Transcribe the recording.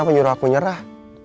kenapa nyuruh aku nyerah